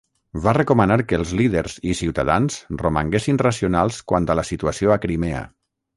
Va recomanar que els líders i ciutadans romanguessin racionals quant a la situació a Crimea.